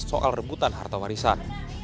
soal rebutan harta warisan